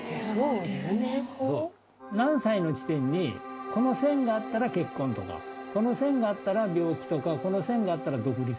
何歳の地点にこの線があったら結婚とかこの線があったら病気とかこの線があったら独立とか。